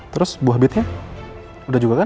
terus buah bitnya udah juga kan